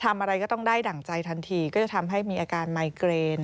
อะไรก็ต้องได้ดั่งใจทันทีก็จะทำให้มีอาการไมเกรน